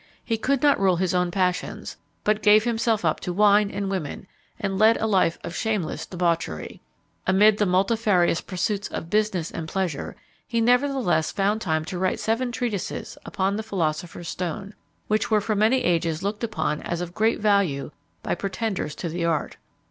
He could not rule his own passions, but gave himself up to wine and women, and led a life of shameless debauchery. Amid the multifarious pursuits of business and pleasure, he nevertheless found time to write seven treatises upon the philosopher's stone, which were for many ages looked upon as of great value by pretenders to the art.